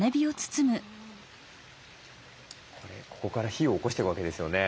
ここから火をおこしていくわけですよね。